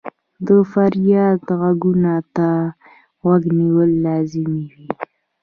د فریاد ږغونو ته غوږ نیول لازمي وي.